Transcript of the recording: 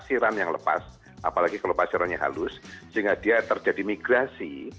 ada aliran yang lepas apalagi kalau pasirannya halus sehingga dia terjadi migrasi